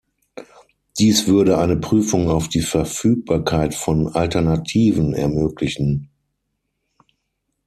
Dies würde eine Prüfung auf die Verfügbarkeit von Alternativen ermöglichen.